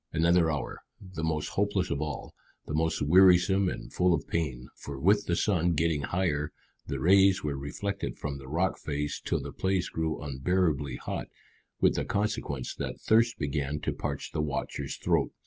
Another hour, the most hopeless of all, the most wearisome and full of pain, for with the sun getting higher the rays were reflected from the rock face till the place grew unbearably hot, with the consequence that thirst began to parch the watcher's throat.